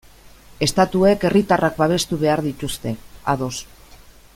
Estatuek herritarrak babestu behar dituzte, ados.